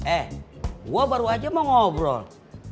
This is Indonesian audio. eh gue baru aja mau ngobrol